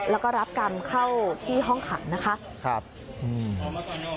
แล้วก็รับกรรมเข้าที่ห้องขังนะคะครับอืม